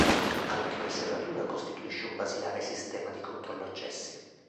Anche una serratura costituisce un basilare sistema di controllo accessi.